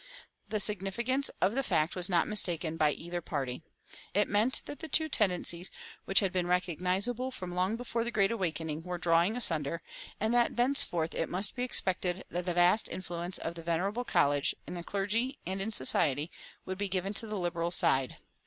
The significance of the fact was not mistaken by either party. It meant that the two tendencies which had been recognizable from long before the Great Awakening were drawing asunder, and that thenceforth it must be expected that the vast influence of the venerable college, in the clergy and in society, would be given to the Liberal side.